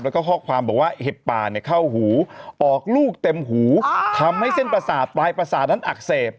แล้วก็ข้อความบอกว่าเห็บป่าเนี่ยเข้าหูออกลูกเต็มหูทำให้เส้นประสาทปลายประสาทนั้นอักเสบ